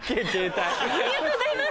ありがとうございます！